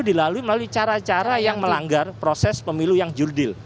dilalui melalui cara cara yang melanggar proses pemilu yang jurdil